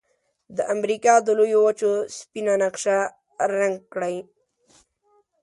د امریکا د لویې وچې سپینه نقشه رنګ کړئ.